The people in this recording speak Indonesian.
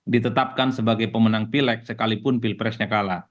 ditetapkan sebagai pemenang pilek sekalipun pilpresnya kalah